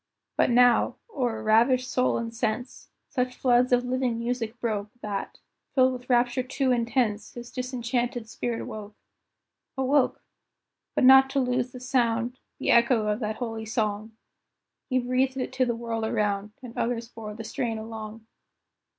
But now, o'er ravished soul and sense, Such floods of living music broke, That, filled with rapture too intense, His disenchanted spirit woke. Awoke! but not to lose the sound, The echo of that holy song; He breathed it to the world around, And others bore the strain along.